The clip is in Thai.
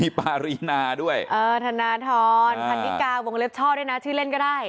ปารีนาด้วยเออธนทรพันนิกาวงเล็บช่อด้วยนะชื่อเล่นก็ได้